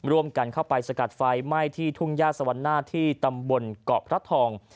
ร่วมกันเข้าไปสกัดไฟไหม้ที่ทุ่งย่าสวรรณาที่ตำบลเกาะพระทอง